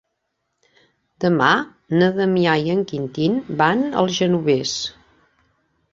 Demà na Damià i en Quintí van al Genovés.